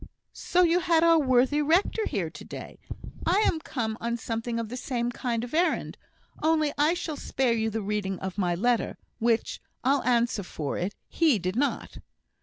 so you had our worthy rector here to day; I am come on something of the same kind of errand; only I shall spare you the reading of my letter, which, I'll answer for it, he did not.